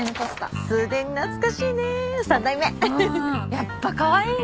やっぱかわいいな。